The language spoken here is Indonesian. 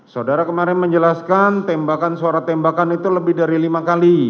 saudara kemarin menjelaskan tembakan suara tembakan itu lebih dari lima kali